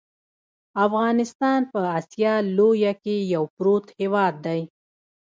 افغانستان په اسیا لویه کې یو پروت هیواد دی .